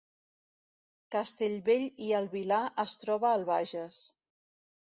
Castellbell i el Vilar es troba al Bages